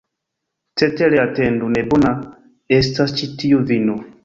Cetere atendu, ne bona estas ĉi tiu vino!